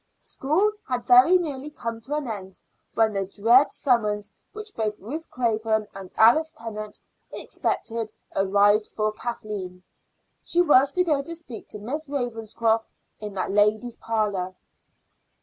School had very nearly come to an end when the dread summons which both Ruth Craven and Alice Tennant expected arrived for Kathleen. She was to go to speak to Miss Ravenscroft in that lady's parlor.